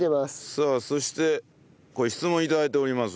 さあそして質問頂いております。